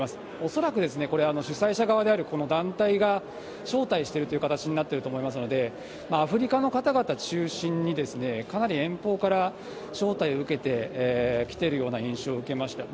恐らくですね、これ、主催者側であるこの団体が招待しているという形になっていると思いますので、アフリカの方々中心に、かなり遠方から招待を受けてきているような印象を受けました。